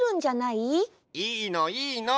いいのいいの！